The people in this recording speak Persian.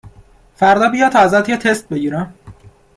فردا بیا تا ازت یه تست بگیرم